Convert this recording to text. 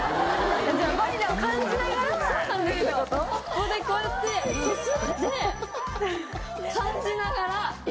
ここでこうやってこすって感じながら。